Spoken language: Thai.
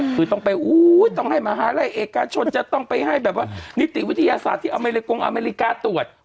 คือต้องไปต้องให้มหาลัยเอกชนจะต้องไปให้แบบว่านิติวิทยาศาสตร์ที่อเมริกงอเมริกาตรวจ